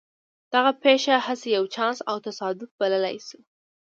دغه پېښه هسې يو چانس او تصادف بللای شو.